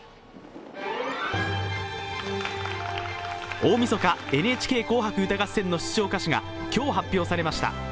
大みそか「ＮＨＫ紅白歌合戦」の出場歌手が今日発表されました。